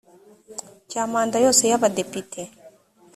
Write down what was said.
cya manda yose y abadepite